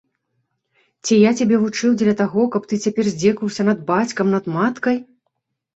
Ці я цябе вучыў дзеля таго, каб ты цяпер здзекаваўся над бацькам, над маткай!